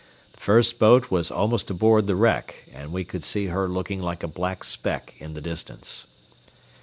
The first boat was almost aboard the wreck, and we could see her looking like a black speck in the distance.